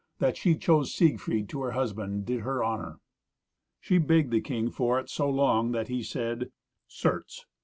That she chose Siegfried to her husband did her honour." She begged the king for it so long that he said, "Certes!